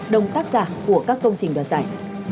đồng tác giả của các công trình đoàn giải